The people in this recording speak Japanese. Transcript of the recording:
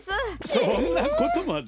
そんなことまで！